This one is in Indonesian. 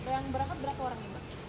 yang berangkat berapa orang ini mbak